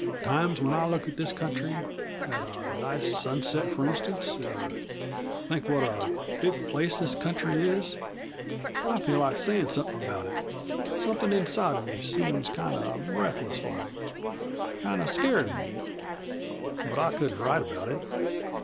Times when I look at this country at a nice sunset, for instance, or think what a big place this country is I feel like sayin' somethin' about it; somethin' inside of me seems kind of breathless like kind of scarin' me. But I couldn't write about it."